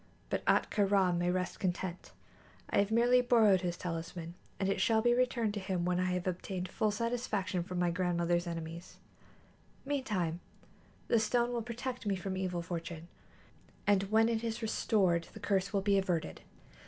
But Ahtka Rā may rest content; I have merely borrowed his talisman, and it shall be returned to him when I have obtained full satisfaction from my grandmother's enemies. Meantime, the stone will protect me from evil fortune, and when it is restored the curse will be averted."